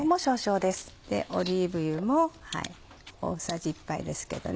オリーブ油も大さじ１杯ですけどね